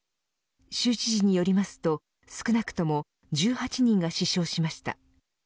州知事によりますと少なくとも１８人が死傷しました。